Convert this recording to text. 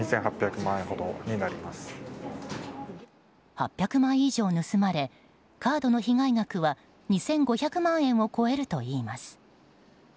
８００枚以上盗まれカードの被害額は２５００万円を超えるといいます。